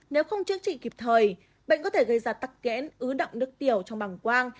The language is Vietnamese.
nếu không chữa trị kịp thời bệnh có thể gây ra tắc kẽn ứ động nước tiểu trong bảng quang